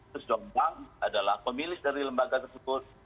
kasus jombang adalah pemilik dari lembaga tersebut